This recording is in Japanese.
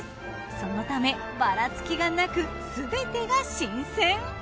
そのためバラつきがなくすべてが新鮮！